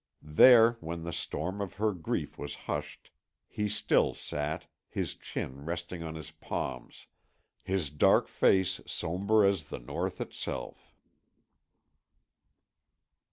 There, when the storm of her grief was hushed, he still sat, his chin resting on his palms, his dark face somber as the North itself.